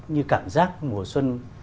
như cảm giác mùa xuân